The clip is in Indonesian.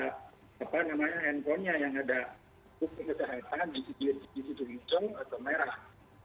ada apa namanya handphonenya yang ada kode kesehatan di situ hitung atau merah